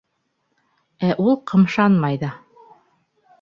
Ә ул ҡымшанмай ҙа.